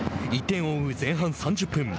１点を追う前半３０分。